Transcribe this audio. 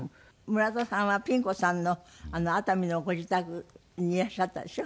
村田さんはピン子さんの熱海のご自宅にいらっしゃったんでしょ？